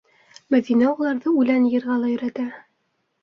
Мәҙинә уларҙы үлән йыйырға ла өйрәтә.